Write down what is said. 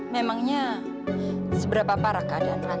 memangnya seberapa parah keadaan ranti sekarang